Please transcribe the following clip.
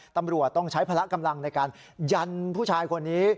ตำรวจต้องใช้พละกำลังในการยันผู้ชายคนนี้